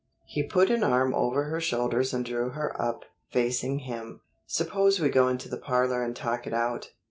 He put an arm over her shoulders and drew her up, facing him. "Suppose we go into the parlor and talk it out.